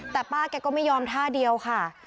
แต่ป้าแกก็ไม่ยอมท่าเดียวค่ะ